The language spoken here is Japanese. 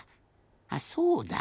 あっそうだ。